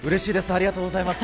ありがとうございます。